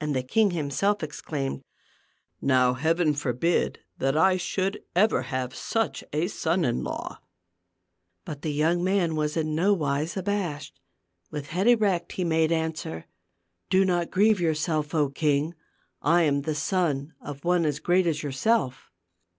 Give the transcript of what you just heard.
And the king himself ex claimed, "Now Heaven forbid that I should ever have such a son in law !" But the young man was in nowise abashed. With head THE GLASS MOUNTAIN 279 erect he made answer: "Do not grieve yourself, 0, King ; I am the son of one as great as your self."